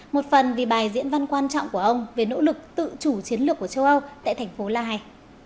một phần vì bài diễn văn quan trọng của ông về nỗ lực tự chủ chiến lược của châu âu tại thành phố la hay